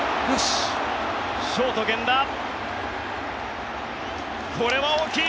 ショート、源田これは大きい。